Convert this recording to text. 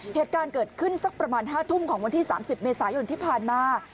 เหตุการณ์เกิดขึ้นสักประมาณ๕ทุ่มของวันที่๓๐เมษายนที่ผ่านมา